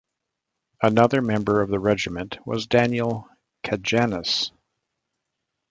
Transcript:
Another member of the regiment was Daniel Cajanus.